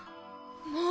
もう！